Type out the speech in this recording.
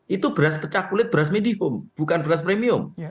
itu beras pecah kulit beras medium bukan beras premium